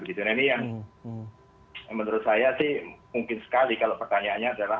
nah ini yang menurut saya sih mungkin sekali kalau pertanyaannya adalah